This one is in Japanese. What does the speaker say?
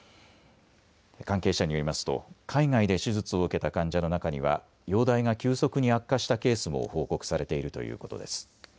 関係者によりますと海外で手術を受けた患者の中には容体が急速に悪化したケースも報告されているということです。